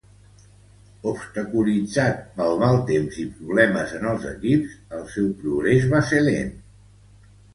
Obstaculitzat pel mal temps i problemes en els equips, el seu progrés va ser lent.